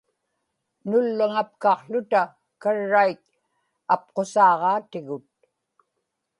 nullaŋapkaqłuta karrait apqusaaġaatigut